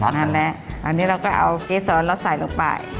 นั่นแหละอันนี้เราก็เอาเกษรเราใส่ลงไป